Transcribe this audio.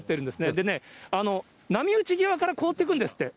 でね、波打ち際から凍ってくんですって。